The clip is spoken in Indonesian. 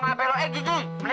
gara gara buku gue hilang